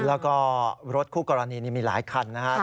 แล้วก็รถคู่กรณีนี้มีหลายคันนะครับ